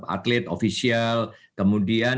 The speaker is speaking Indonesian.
atlet ofisial kemudian